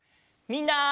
みんな！